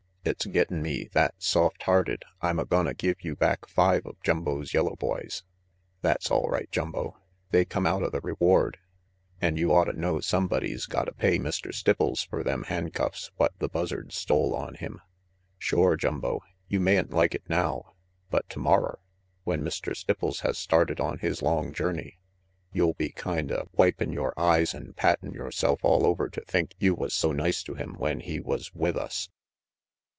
It's gettin 'me that soft hearted I'm a gonna give you back five of Jumbo's yellow boys. That's all right, Jumbo, they come outa the reward, RANGY PETE 227 an' you otta know sumbody's gotta pay Mr. Stipples fer them handcuffs what the Buzzard stole on him. Shore, Jumbo, you mayn't like it now, but tomorrer, when Mr. Stipples has started on his long journey, you'll be kinda wipin' yore eyes an' pattin' yourself all over to think you was so nice to him when he was with us."